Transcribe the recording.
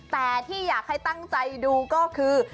แต่ที่อยากให้ตั้งใจดูก็คือ